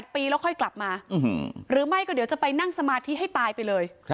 ปีแล้วค่อยกลับมาหรือไม่ก็เดี๋ยวจะไปนั่งสมาธิให้ตายไปเลย